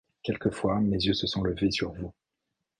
Quelquefois mes yeux se sont levés sur vous.